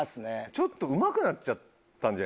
ちょっとうまくなっちゃったんじゃないですか？